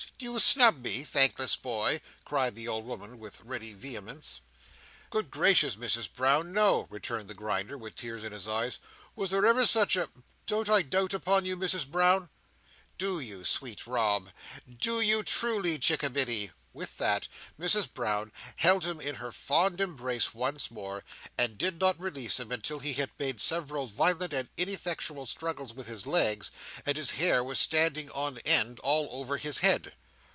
Do you snub me, thankless boy!" cried the old woman, with ready vehemence. "Good gracious, Misses Brown, no!" returned the Grinder, with tears in his eyes. "Was there ever such a—! Don't I dote upon you, Misses Brown?" "Do you, sweet Rob? Do you truly, chickabiddy?" With that, Mrs Brown held him in her fond embrace once more; and did not release him until he had made several violent and ineffectual struggles with his legs, and his hair was standing on end all over his head.